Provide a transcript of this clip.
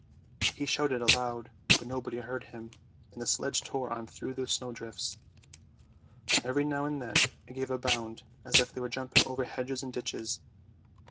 He shouted aloud, but nobody heard him, and the sledge tore on through the snowdrifts. Every now and then it gave a bound, as if they were jumping over hedges and ditches.